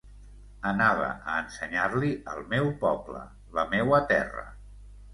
Anava a ensenyar-li el meu poble, la meua terra.